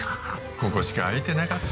ここしか空いてなかったんです。